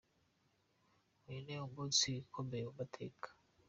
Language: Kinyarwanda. Uyu ni umunsi ukomeye mu mateka.